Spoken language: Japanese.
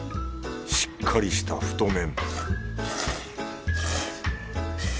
しっかりした太麺